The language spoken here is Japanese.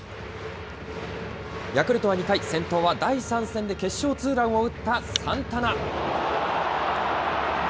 ヤクルトは２回、先頭は第３戦で決勝ツーランを打ったサンタナ。